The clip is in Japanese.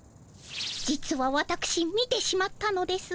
実はわたくし見てしまったのです。